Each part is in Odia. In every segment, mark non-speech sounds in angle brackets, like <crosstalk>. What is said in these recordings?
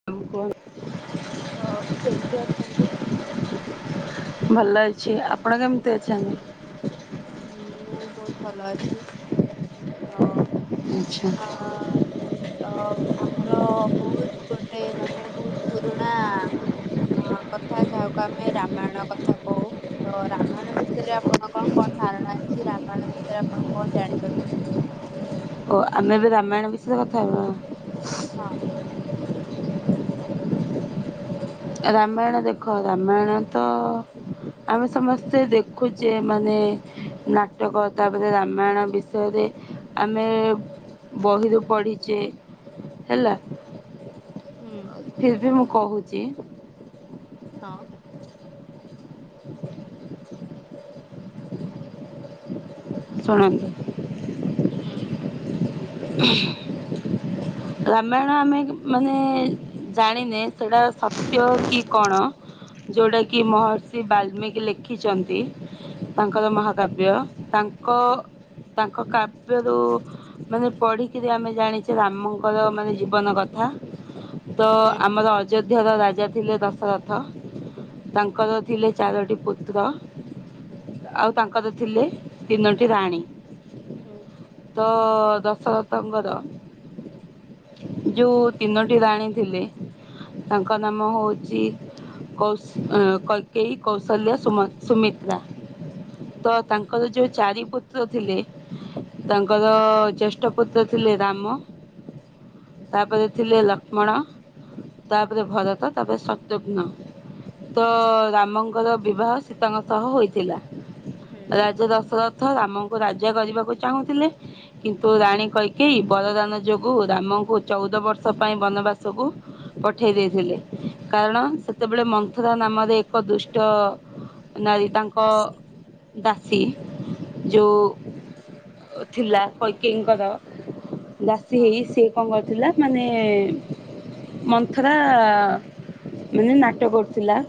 <unintelligible> ତ କେମିତି ଅଛନ୍ତି? ଭଲ ଅଛି ଆପଣ କେମିତି ଅଛନ୍ତି। ହୁଁ ମୁଁ ବହୁତ ଭଲ ଅଛିତ। ଆଚ୍ଛା। ହଁ। ତ ଆମର ବହୁତ ଗୋଟେ ମାନେ ବହୁତ ପୁରୁଣା। ହଁ କଥା ଯାହାକୁ ଆମେ ରାମାୟଣ କଥା କହୁ ତ ରାମାୟଣ ବିଷୟରେ ଆପଣ କଣ କଣ ଧାରଣା ଅଛି ରାମାୟଣ ବିଷୟରେ ଆପଣ କଣ ଜାଣିଛନ୍ତି। ଓ ଆମେ ଏବେ ରାମାୟଣ ବିଷୟରେ କଥା ହେବା। ହଁ। ରାମାୟଣ ଦେଖ ରାମାୟଣ ତ ଆମେ ସମସ୍ତେ ଦେଖୁଛେ ମାନେ ନାଟକ ତାପରେ ରାମାୟଣ ବିଷୟରେ। ଆମେ ବହିରୁ ପଢ଼ିଚେ ହେଲା। ହୁଁ। ଫିରବି ମୁଁ କହୁଛି। ହଁ। ଶୁଣନ୍ତୁ। ହୁଁ। ରାମାୟଣ ଆମେ ମାନେ ଜାଣିନେ ସେଟା ସତ୍ୟ କି କଣ? ଯୋଉଟା କିି ମହର୍ଷି ବାଲ୍ମୀିକି ଲେଖିଛନ୍ତି। ତାଙ୍କର ମହାକାବ୍ୟ ତାଙ୍କ ତାଙ୍କ କାବ୍ୟରୁ। ମାନେ ପଢ଼ିକିରି ଆମେ ଜାଣିଛେ ରାମଙ୍କର ମାନେ ଜୀବନ କଥା। ତ ହୁଁ ଆମର ଅଯୋଧ୍ୟାର ରାଜା ଥିଲେ ଦଶରଥ। ହୁଁ ତାଙ୍କର ଥିଲେ ଚାରୋଟି ପୁତ ତ୍ର ଆଉ ତାଙ୍କର ଥିଲେ ତିନୋଟି ରାଣୀ। ହୁଁ ତ ଦଶ ରଥଙ୍କର ଯୋଉ ତିନୋଟି ରାଣୀ ଥିଲେ ତାଙ୍କ ନାମ ହୋଉଚି କୌଶି କୈକେଇ କୌସଲ୍ୟା ସୁମ ସୁମିତ୍ରା। ହୁଁ ତ ତାଙ୍କର ଯୋଉ ଚାରି ପୁତ୍ର ଥିଲେ ତାଙ୍କର ଜୈ ଷ୍ଟ ପୁତ୍ର ଥିଲେ ରାମ ତାପରେ ଥିଲେ ଲକ୍ଷ୍ମଣ ହୁଁ ତାପରେ ଭରତ ତାପରେ ଶତ୍ରୁଘ୍ନ ତ ଆଚ୍ଛା ରାମଙ୍କର ବିବାହ ସୀତାଙ୍କ ସହ ହୋଇଥିଲା। ହୁଁ। ରାଜା ଦଶରଥ ରାମଙ୍କୁ ରାଜା କରିବାକୁ ଚାହୁଁଥିଲେ। ତୁ ରାଣୀ କୈକେଇ ବରଦାନ ଯୋଗୁ ରାମଙ୍କୁ ଚୋଉଦ ବର୍ଷ ପାଇଁ ବନବାସକୁ ପଠେଇ ଦେଇଥିଲେ କାରଣ ସେତେବେଳେ ମନ୍ଥରା ନାମରେ ଏକ ଦୁଷ୍ଟ ନାଳି ତାଙ୍କ ଦାସୀ ଦାସୀ ଯୋଉ ଥିଲା। କୈକେଇଙ୍କର ଦାସୀ ହଁ ହେଇ ସିଏ କଣ କରିଥିଲା ମାନେ ମନ୍ଥରା ମାନେ ନାଟ କରୁଥିଲା।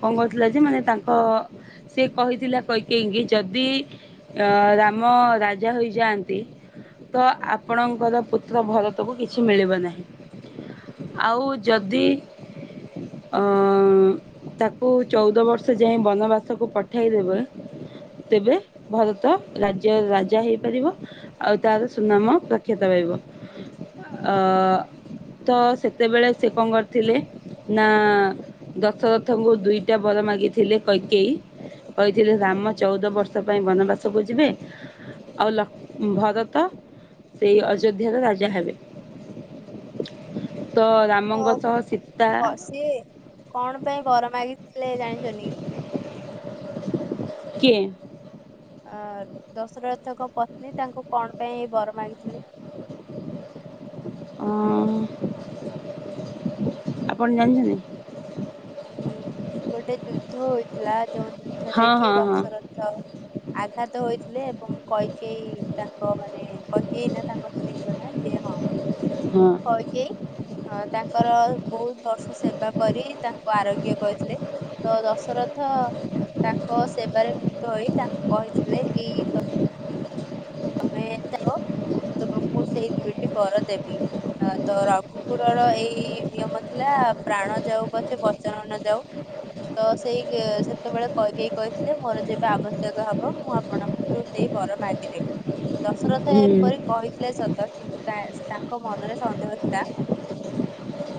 କଣ କହୁଥିଲା ଯେ ମାନେ ତାଙ୍କ ସିଏ କହିଥିଲା କୈକେଇଙ୍କି ଯଦି ରାମ ରାଜା ହୋଇଯାଆନ୍ ନ୍ତି ତ ଆପଣଙ୍କର ପୁତ୍ର ଭରତକୁ କିଛି ମିଳିବ ନାହିଁ। ହୁଁ ଆଉ ଯଦି ଅଁ ତାକୁ ଚୋଉଦ ବର୍ଷ ଯାଏଁ ବନବାସକୁ ପଠାଇଦେବେ ତେବେ ଭରତ ରାଜ୍ୟ ରାଜା ହେଇପାରିବେ। ଆଉ ତାର ସୁନାମ ପ୍ରଖ୍ୟାତ ରହିବ ଅ ତ ସେତେବେଳେ ସେ କଣ କରିଥିଲେ ନା ଦଶରଥଙ୍କୁ ଦୁଇଟା ବର ମାଗିଥିଲେ କୈକେଇ କହିଥିଲି ରାମ ଚୋଉଦ ବର୍ଷ ପାଇଁ ବନବାସକୁ ଯିବେ ଆଉ ଭାରତ ସେଇ ଅଯୋଧ୍ୟାର ରାଜା ହେବେ। ହୁଁ। ତ ତ ରାମଙ୍କ ସହ ସୀ କ ସିଏ କଣ ପାଇଁ ବର ମାଗିଥିଲେ ଜାଣିଚନ୍ତି କି? କିଏ? ଅ ଦଶରଥଙ୍କ ପତ୍ନୀ ତାଙ୍କୁ କଣ ପାଇଁ ଏ ବର ମାଗିଥିଲେ? ଅ ଆପଣ ଜାଣିଚନ୍ତି? ହୁଁ ଗୋଟେ ଯୁଦ୍ଧ ହୋଇଇଥିଲା ଯୋଉ ଯୁଦ୍ଧରେ ହଁ କି ହଁ ହଁ ଦଶରଥ ତ ଆଘାତ ହୋଇଥିଲେ ଏବଂ କୈକେଇ ତାଙ୍କ ମାନେ କୈକେଇ ନା ତାଙ୍କ ଯେନେ ଯିଏ ହଁ। ହୁଁ। କୈକେଇ ତାଙ୍କର ବହୁତ ବର୍ଷ ସେବା କରି ତା ଆରୋଗ୍ୟ କହିଥିଲେ ତ ଦଶରଥ ତାଙ୍କ ସେବାରେ ମୁଗ୍ଧ ହୋଇ ତାଙ୍କୁ କହିଥିଲେ କି ତ ତମେ ତାଙ୍କ ମୁଁ ତମକୁ ସେଇ ଦୁଇଟି ବର ଦେବି ତ ରଘୁ କୁକୁରର ଏଇ ନିୟମ ଥିଲା ପ୍ରାଣ ଯାଉ ପଛେ ବଚନ ନ ଯାଉ। ତ ସେଇ ସେତେବେଳେ କୈକେଇ କହିଥିଲେ ମୋର ଯେବେ ଆବଶ୍ୟକ ହବ ମୁଁ ଆପଣଙ୍କୁ ଠୁ ସେଇ ବର ମାଗିଲେ ବି। ଦଶରଥ ଏପରି ହୁଁ କହିଥିଲେ ସତ କିନ୍ତୁ ତାଙ୍କ ମନରେ ସନ୍ଦେହ ଥିଲା।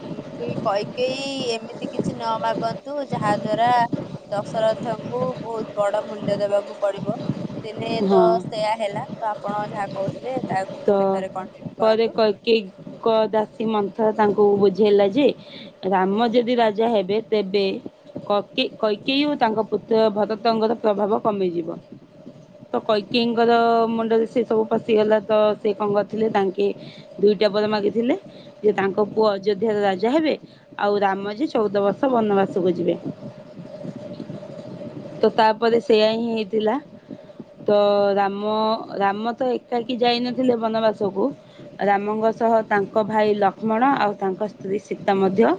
ହୁଁ କୈକେଇ ଏମିତି କିଛି ନ ମାଗନ୍ତୁ ଯାହା ଦ୍ଵାରା ଦଶରଥଙ୍କୁ ବହୁତ ବଡ଼ ମୂଲ୍ୟ ଦେବାକୁ ପଡିବ। ଦିନେ ତ ହଁ ସେୟା ହେଲା ତ ଆପଣ ଯାହା କହୁଥିଲେ ତାକୁ ପୁଣି ଥରେ କଣ୍ଟିନ୍ୟୁ କରନ୍ତୁ। କେ ଏକ ଦାସୀ ମଥ ତାଙ୍କୁ ବୁଝେଇଲା ଯେ ରାମ ଯଦି ରାଜା ହେବେ ତେବେ କକେଇ କୈକେଇ ଓ ତାଙ୍କ ପୁତ୍ର ଭଗତ୍ ପତଙ୍ଗର ପ୍ରଭାବ କମିଯିବ। ତ କୈକେଇଙ୍କର ମୁଣ୍ଡରେ ସେ ସବୁ ପଶିଗଲା ତ ସେ କଣ କରିଥିଲେ ତାଙ୍କେ। ଦୁଇଟା ବର ମାଗିଥିଲେ ଯେ ତାଙ୍କ ପୁଅ ଅଯୋଧ୍ୟାର ରାଜା ହେବେ। ଆଉ ରାମଜେ ଚଉଦ ବର୍ଷ ବନବାସକୁ ଯିବେ। ହୁଁ ହୁଁ। ତ ତାପରେ ସେଇୟା ହିଁ ହେଇଥିଲା। ତ ରାମ ରାମ ତ ଏକାକି ଯାଇନଥିଲେ ବନବାସକୁ। ରାମଙ୍କ ସହ ତାଙ୍କ ଭାଇ ଲକ୍ଷ୍ମଣ ଆଉ ତାଙ୍କ ସ୍ତ୍ରୀ ସୀତା ମଧ୍ୟ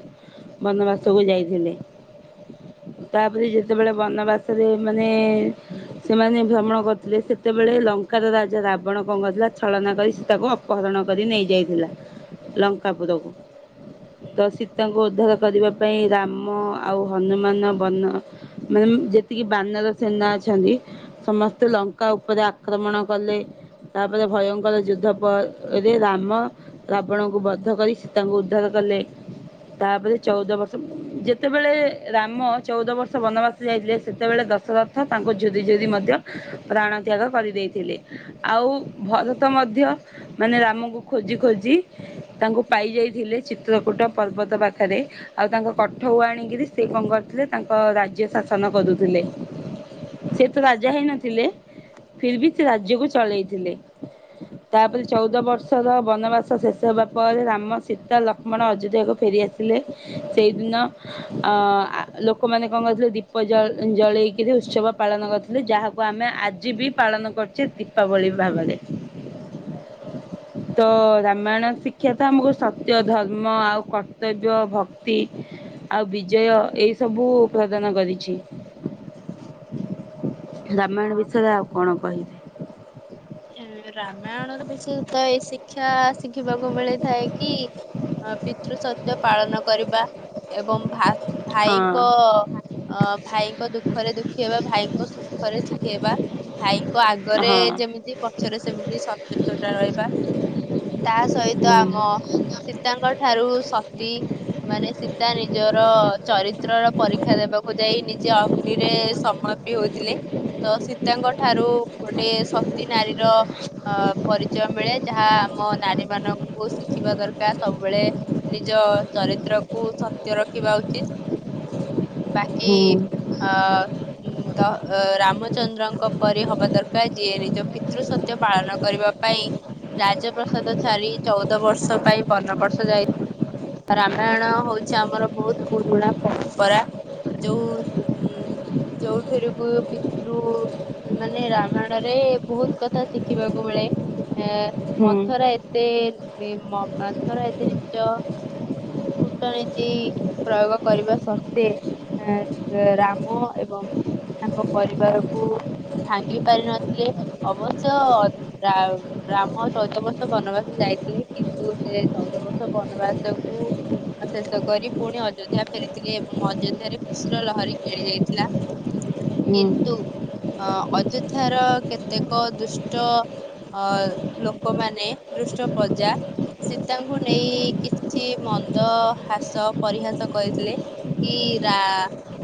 ବନବାସକୁ ଯାଇଥିଲେ। ତାପରେ ଯେତେବେଳେ ବନବାସରେ ମାନେ ସେମାନେ ଭ୍ରମଣ କରୁଥିଲେ ସେତେବେଳେ ଲଙ୍କାର ରାଜା ରାବଣ କଣ କରିଥିଲା। ଛଳନା କରି ସୀତା କୁ ଅପହରଣ କରି ନେଇ ଯାଇଥିଲା ଲଙ୍କା ପୁୁରକୁ। ତ ହୁଁ। ସୀତାଙ୍କୁ ଉଦ୍ଧାର କରିବା ପାଇଁ ରାମ ଆଉ ହନୁମାନ ବର୍ଣ୍ଣ ମାନେ ଯେତିକି ବାନର ସେନା ଅଛନ୍ତି। ସମସ୍ତେ ଲଙ୍କା ଉପରେ ଆକ୍ରମଣ କଲେ। ତାପରେ ଭୟଙ୍କର ଯୁଦ୍ଧ ପରେ ରାମ ରାବଣଙ୍କୁ ବଦ୍ଧ କରି ସୀତାଙ୍କୁ ଉଦ୍ଧାର କଲେ। ତାପରେ ଚଉଦ ବର୍ଷ ଯେତେବେଳେ ରାମ ଚଉଦ ବର୍ଷ ବନବାସ୍ ଯାଇଥିଲେ ସେତେବେଳେ ଦଶରଥ ତାଙ୍କୁ ଝୁରି ଝୁରି ମଧ୍ୟ ପ୍ରାଣ ତ୍ୟାଗ କରିଦେଇଥିଲେ। ଆଉ ଭରତ ମଧ୍ୟ ମାନେ ରାମଙ୍କୁ ଖୋଜି ଖୋଜି ତାଙ୍କୁ ପାଇଯାଇଥିଲେ ଚିତ୍ରକୂଟ ପର୍ବତ ପାଖେରେ। ଆଉ ତାଙ୍କ କଠଉ ଆଣିକିରି ସେ କଣ କରଥିଲେ ତାଙ୍କ ରାଜ୍ୟ ଶାସନ କରୁଥିଲେ। ସେ ତ ରାଜା ହେଇ ନଥିଲେ ଫିର୍ ବି ସେ ହୁଁ ରାଜ୍ୟକୁ ଚଳେଇଥିଲେ। ତାପରେ ଚଉଦ ବର୍ଷର ବନବାସ ଶେଷ ହେବା ପରେ ରାମ ସୀତା ଲକ୍ଷ୍ମଣ ଅଯୋଧ୍ୟାକୁ ଫେରିଆସ୍ ଥିଲେ ସେଇଦିନ ଅ ଆ ଲୋକମାନେ କଣ କରିଥିଲେ ଦୀପ ଜ ଜଳେଇକିରି ଉତ୍ସବ ପାଳନ କର୍ ଲେ ଯାହାକୁ ଆମେ ଆଜି ବି ପାଳନ କରୁଛେ ଦୀପାବଳି ଭାବରେ। ହୁଁ। ତ ରାମାୟଣ ଶିକ୍ଷା ତ ଆମକୁ ସତ୍ୟ ଧର୍ମ ଆଉ କର୍ତ୍ତବ୍ୟ ଭକ୍ତି। ଆଉ ବିଜୟ ଏଇ ସବୁ ପ୍ରଦାନ କରିଛି। ରାମାୟଣ ହଁ। ବିଷୟରେ ଆଉ କଣ କହିବି। ରାମାୟଣ ର ବିଷୟ ତ ଏଇ ଶିକ୍ଷା ଶିଖିବାକୁ ମିଳିଥାଏ କି ପିତୃ ସତ୍ୟ ପାଳନ କରିବା ଏବଂ ଭା ହଁ ଭାଇଙ୍କ ଅ ଭାଇଙ୍କ ଦୁଃଖରେ ଦୁଃଖିହେବା ଭାଇଙ୍କ ସୁଖରେ ସୁଖିହେବା। ଭାଇଙ୍କ ଆଗରେ ହଁ ଯେମିତି ପଛରେ ସେମିତି ସଚେତନା ରହିବା। ତା ସହିତ ହୁଁ ଆମ ସୀତାଙ୍କ ଠାରୁ ସତୀ। ମାନେ ସୀତା ନିଜର ଚରିତ୍ରର ପରୀକ୍ଷା ଦେବାକୁ ଯାଇ ନିଜେ ଅ ଗ୍ନୀରେ ସମାପି ହଉଥିଲେ ତ ସୀତାଙ୍କ ଠାରୁ ଗୋଟେ ସ ତୀ ନାରୀର ଅ ପରିଚୟ ମିଳେ ଯାହା ଆମ ନାରୀ ମାନଙ୍କୁ ଶିଖିବା ଦରକାର୍ ସବୁବେଳେ। ନିଜ ଚରିତ୍ରକୁୁ ସତ୍ୟ ରଖିବା ଉଚିତ୍। ବାକି ହୁଁ ଅ ହୁଁ। ତ ରାମଚନ୍ଦ୍ରଙ୍କ ପରି ହବା ଦରକାର ଯିଏ ନିଜ ପିତୃ ସତ୍ୟ ପାଳନ କରିବା ପାଇଁ ରାଜପ୍ରସାଦ ଛାରି ଚଉଦ ବର୍ଷ ପାଇଁ ବନ ବର୍ଷ ଯାଇ ରାମାୟଣ ହଉଚି ଆମର ବହୁତ ପୁରୁଣା ପପରା ଯୋଉ ଉଁ ଯୋଉଠୁରୁକୁ ପିତୃ। ମାନେ ରାମାୟଣରେ ବହୁତ୍ କଥା ଶିଖିବାକୁ ମିଳେ। ଏ ହୁଁ ମନ୍ଥର ଏତେ ମ ମ ମନ୍ଥର ଏତେ ନିଚ କୂଟନୀତି ପ୍ରୟୋଗ କରିବା ସତ୍ତ୍ୱେ। ଅ ରାମ ଏବଂ ତାଙ୍କ ପରିବାରକୁ ଭାଙ୍ଗି ପାରି ନଥିଲେ ଅବଶ୍ୟ। ରାଆ ରାମ ଚଉଦ ବର୍ଷ ବନବାସ ଯାଇଥିଲେ କିନ୍ତୁ ସେ ଚଉଦ ବର୍ଷ ବନବାସ ସବୁ। ଶେଷ କରି ପୁଣି ଅଯୋଧ୍ୟା ଫେରିଥିଲି ଏବଂ ଅଯୋଧ୍ୟାରେ ରେ ଖୁସିର ଲହରୀ ଖେଳି ଯାଇଥିଲା। ହୁଁ କିନ୍ତୁ ଅ ଅଯୋଧ୍ୟ ର କେତେକ ଦୁଷ୍ଟ ଅ ଲୋକମାନେ ଦୁଷ୍ଟ ପଜା ସୀତାଙ୍କୁ ନେଇ କିଛି ଛି ମନ୍ଦ ହ୍ରାସ ପରିହାସ କରିଥିଲେ। କି ରା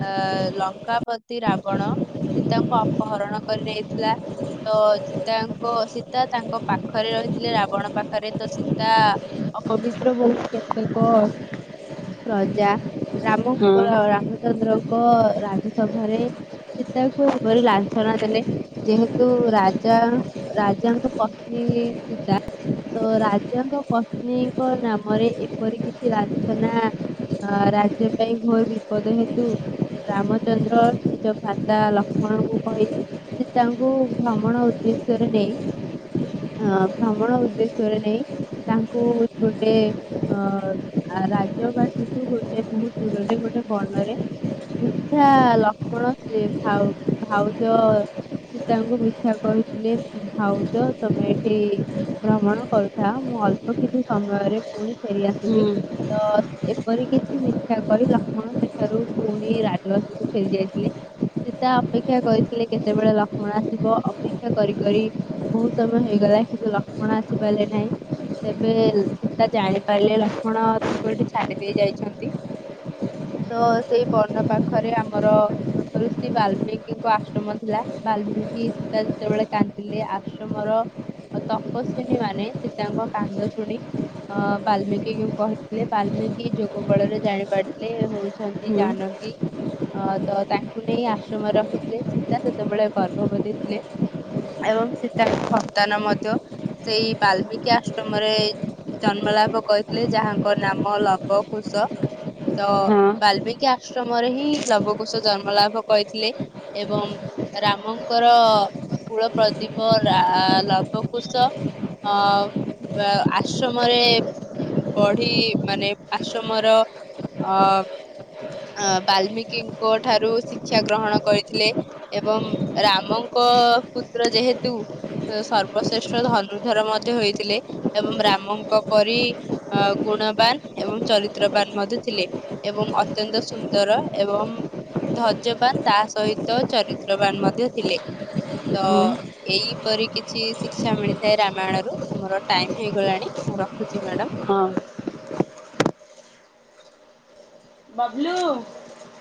ଅ ଲଙ୍କାପତି ରାବଣ। ସେ ତାଙ୍କୁ ଅପହରଣ କରିଦେଇଥିଲା। ତ ସୀତାଙ୍କ ସୀତା ତାଙ୍କ ପାଖରେ ରହିଥିଲେ। ରାବଣ ପାଖରେ ତ ସୀତା ଅପବିତ୍ର ବହୁତ୍। କେତେକ ପ୍ରଜା ହଁ। ରାମଙ୍କର ରାମଚନ୍ଦ୍ର ଙ୍କ ରାଜସଭାରେ ସେ ତାକୁ ଏଭରି ଲାଛନା ଦେଲେ। ଯେହେତୁ ରାଜା ରାଜାଙ୍କ ପତ୍ନୀ ସିତା ତ ରାଜାଙ୍କ ପତ୍ନୀଙ୍କ ନାମରେ ଏପରି କିଛି ଲଞ୍ଚନା ହ ରାଜ୍ୟ ପାଇଁ ଘୋର ବିପଦ ହେତୁ ରାମଚନ୍ଦ୍ର ନିଜ ଭାତା ଲକ୍ଷ୍ମଣଙ୍କୁ କହି ସେ ତାଙ୍କୁ ଭ୍ରମଣ ଉଦ୍ଦେଶ୍ୟ ରେ ନେଇ ଅ ଭ୍ରମଣ ଉଦ୍ଦେଶ୍ୟରେ ନେଇ ତାଙ୍କୁ ଗୋଟେ ଅ ରାଜଘାଟିକୁୁ ଗୋଟେ ବହୁତ ଦୂରରେ ଗୋଟେ ବନରେ ମିଥ୍ୟା ଲକ୍ଷ୍ମଣ ସେ ଭାଉ ଭାଉଜ। ସୀତାଙ୍କୁ ମିଥ୍ୟା କହିଥିଲେ ଭାଉଜ ତମେ ଏଠି ଭ୍ରମଣ କରୁଥାଅ ମୁଁ ଅଳ୍ପ କିଛି ସମୟରେ ପୁଣି ଫେରିଆସିବି। ହୁଁ ତ ଏପରି କିଛି ମିଥ୍ୟା କହି ଲକ୍ଷ୍ମଣ ସେଠାରୁ ପୁଣି ରାଜବାସକୁ ଫେରି ଯାଇଥିଲେ। ସୀତା ଅପେକ୍ଷା କରିଥିଲେ କେତେବେଳେ ଲକ୍ଷ୍ମଣ ଆସିବ? ଅପେକ୍ଷା କରି କରି ବହୁତ ସମୟ ହେଇଗଲା କିନ୍ତୁ ଲକ୍ଷ୍ମଣ ଆସିପାରିଲେ ନାହିଁ। ତେବେ ତା ଜାଣିପାରିଲେ ଲକ୍ଷ୍ମଣ ତାଙ୍କୁ ଏଠି ଛାଡ଼ି ଦେଇି ଯାଇଛନ୍ତି। ତ ସେଇ ବର୍ଣ୍ଣ ପାଖରେ ଆମର ଋଷି ବାଲ୍ମିକିଙ୍କ ଆଶ୍ରମ ଥିଲା। ବାଲ୍ମିକି ସୀତା ଯେତେବେଳେ କାନ୍ଦିଲେ ଆଶ୍ରମର ତପସ୍ୱିନୀ ମାନେ ସୀତାଙ୍କ କାନ୍ଦ ଶୁଣି ଅ ବାଲମିକି କି କହିଥିଲେ ବାଲମିକି ଯୋଗ ବଳରେ ଜାଣି ପାରିଥିଲେ ହଉ ଅଛନ୍ତି ହୁଁ ଜାନକୀ। ଅ ତ ତାଙ୍କୁ ନେଇ ଆଶ୍ରମ ରଖିଥିଲେ ସୀତା ସେତେବେଳେ ଗର୍ଭବତୀଥିଲେ। ଏବଂ ସୀତାଙ୍କ ସନ୍ତାନ ମଧ୍ୟ ସେଇ ବାଲମିକି ଆଶ୍ର ମରେ ଜନ୍ମଲାଭ କରିଥିଲେ, ଯାହାଙ୍କ ନାମ ଲବ କୁସ। ତ ହଁ ବାଲ୍ମିକି ଆଶ୍ରମରେ ହିଁ ଲବକୁଶ ଜନ୍ମଲାଭ କରିଥିଲେ। ଏବଂ ରାମଙ୍କର କୁଳ ପ୍ରଦୀପ ଲା ଲଭକୁଶ ଅ ବା ଆସ ଆଶ୍ରମରେ ବଢି ମାନେ ଆଶ୍ରମର ଅ ଅ ବାଲ୍ମିକିଙ୍କ ଠାରୁ ଶିକ୍ଷା ଗ୍ରହଣ କରିଥିଲେ। ଏବଂ ରାମଙ୍କ ପୁତ୍ର ଯେହେତୁ ସର୍ବଶ୍ରେଷ୍ଠ ଧନୁଧର ମଧ୍ୟ ହେଇଥିଲେ ଏବଂ ରାମଙ୍କ ପରି ଅ ଗୁଣବାନ ଏବଂ ଚରିତ୍ରବାନ ମଧ୍ୟ ଥିଲେ। ଏବଂ ଅତ୍ୟନ୍ତ ସୁନ୍ଦର ଏବଂ ଧୈର୍ଯ୍ୟବାନ ତା ସହିତ ଚରିତ୍ରବାନ ମଧ୍ୟ ଥିଲେ। ତ ହୁଁ ଏଇପରି କିଛି ଶିକ୍ଷା ମିଳିଥାଏ ରାମାୟଣରୁ। ଆମର ଟାଇମ ହେଇଗଲାଣି ମୁଁ ରଖୁଛି ମ୍ୟାଡାମ। ହଁ। ବବଲୁ।